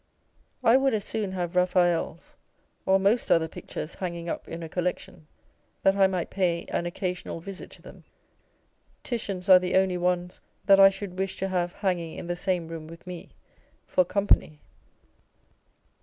I would as soon have Raphael's or most other pictures hanging up in a Col lection, that I might pay an occasional visit to them : Titian's are the only ones that I should wish to have hanging in the same room with me for company